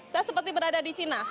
saya seperti berada di cina